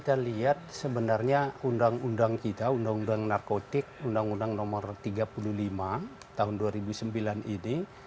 kita lihat sebenarnya undang undang kita undang undang narkotik undang undang nomor tiga puluh lima tahun dua ribu sembilan ini